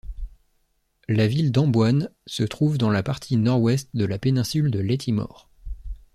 La ville d'Amboine se trouve dans la partie nord-ouest de la péninsule de Leitimor.